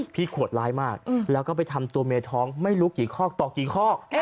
ขวดร้ายมากแล้วก็ไปทำตัวเมียท้องไม่รู้กี่คอกต่อกี่คอก